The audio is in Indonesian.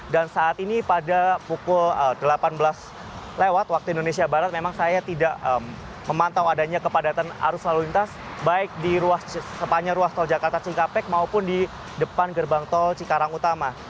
dan saat ini pada pukul delapan belas lewat waktu indonesia barat memang saya tidak memantau adanya kepadatan arus lalu lintas baik di ruas sepanjang ruas tol jakarta cikampek maupun di depan gerbang tol cikarang utama